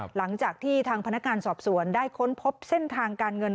หลังจากที่ทางพนักงานสอบสวนได้ค้นพบเส้นทางการเงิน